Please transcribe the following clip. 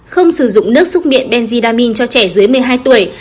không sử dụng nước xúc miệng benjidamin cho trẻ dưới một mươi hai tuổi